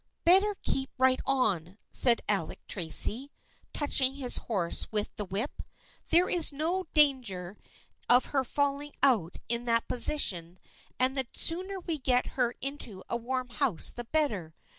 " Better keep right on," said Alec Tracy, touch ing his horse with the whip. " There is no dan THE FRIENDSHIP OF ANNE 129 ger of her falling out in that position and the sooner we get her into a warm house the better.